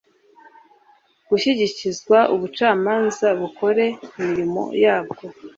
gushyikirizwa ubucamanza bukore imirimo yabwo